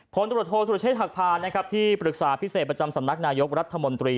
ผลตรวจโทษสุรเชษฐหักพานที่ปรึกษาพิเศษประจำสำนักนายกรัฐมนตรี